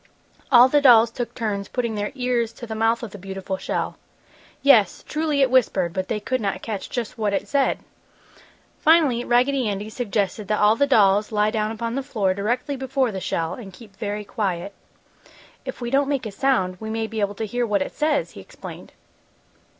All the dolls took turns putting their ears to the mouth of the beautiful shell. Yes, truly it whispered, but they could not catch just what it said. Finally Raggedy Andy suggested that all the dolls lie down upon the floor directly before the shell and keep very quiet. "If we don't make a sound we may be able to hear what it says!" he explained.